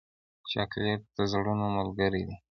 چاکلېټ د زړونو ملګری دی.